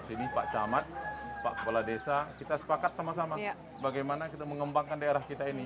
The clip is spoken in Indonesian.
sini pak camat pak kepala desa kita sepakat sama sama bagaimana kita mengembangkan daerah kita ini